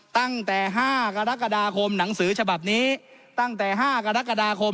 ตั้งแต่๕กรกฎาคมหนังสือฉบับนี้ตั้งแต่๕กรกฎาคม